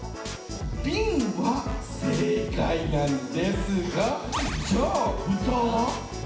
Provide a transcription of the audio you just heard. ビンは正解なんですがじゃあふたは？